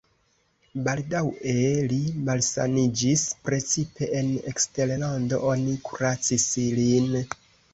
Baldaŭe li malsaniĝis, precipe en eksterlando oni kuracis lin.